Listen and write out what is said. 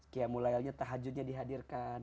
kiamulayanya tahajudnya dihadirkan